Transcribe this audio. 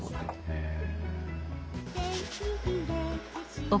へえ。